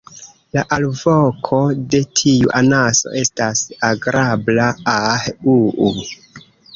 La alvoko de tiu anaso estas agrabla "ah-uu.